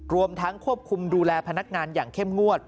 รวมทั้งควบคุมดูแลพนักงานอย่างเข้มงวด